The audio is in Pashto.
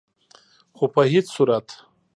خو په هيڅ صورت